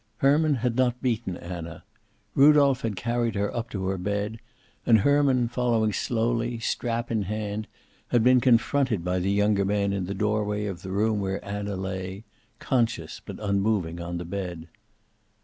Herman had not beaten Anna. Rudolph had carried her up to her bed, and Herman, following slowly, strap in hand, had been confronted by the younger man in the doorway of the room where Anna lay, conscious but unmoving, on the bed.